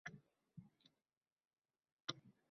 Xalqaro valyuta jamg'armasi xuddi jarrohga o'xshaydi